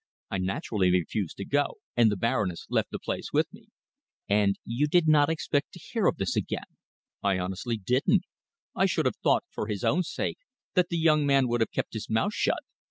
"I naturally refused to go, and the Baroness left the place with me." "And you did not expect to hear of this again?" "I honestly didn't. I should have thought, for his own sake, that the young man would have kept his mouth shut.